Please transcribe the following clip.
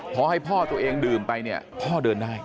พอให้พ่อตัวเองดื่มไปเนี่ยพ่อเดินได้